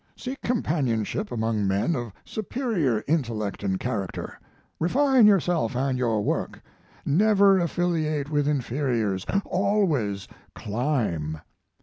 Seek companionship among men of superior intellect and character. Refine yourself and your work. Never affiliate with inferiors; always climb."